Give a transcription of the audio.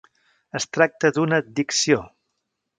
Es tracta d'una addicció.